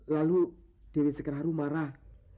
lalu dewi sekerharu marah